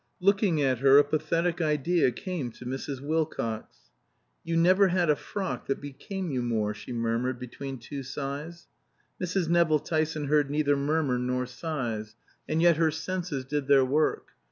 Looking at her, a pathetic idea came to Mrs. Wilcox. "You never had a frock that became you more," she murmured between two sighs. Mrs. Nevill Tyson heard neither murmur nor sighs. And yet her senses did their work.